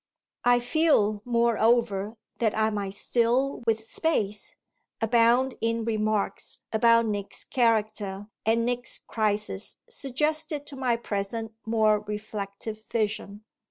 I feel, moreover, that I might still, with space, abound in remarks about Nick's character and Nick's crisis suggested to my present more reflective vision.